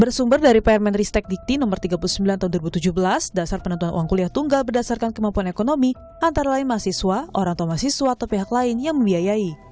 bersumber dari pr menristek dikti nomor tiga puluh sembilan tahun dua ribu tujuh belas dasar penentuan uang kuliah tunggal berdasarkan kemampuan ekonomi antara lain mahasiswa orang tua mahasiswa atau pihak lain yang membiayai